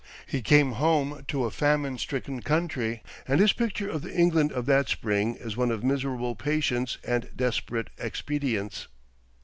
He came home to a famine stricken country, and his picture of the England of that spring is one of miserable patience and desperate expedients.